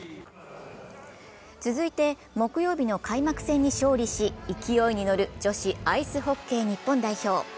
続いて木曜日の開幕戦に勝利し、勢いに乗る女子アイスホッケー日本代表。